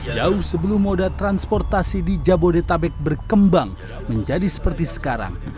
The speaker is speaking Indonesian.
jauh sebelum moda transportasi di jabodetabek berkembang menjadi seperti sekarang